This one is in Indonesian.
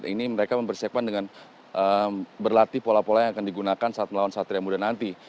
ini mereka mempersiapkan dengan berlatih pola pola yang akan digunakan saat melawan satria muda nanti